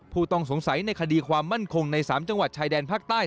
ผู้ต้องสงสัยในคดีความมั่นคงใน๓จังหวัดชายแดนภาคใต้